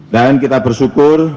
dan kita bersyukur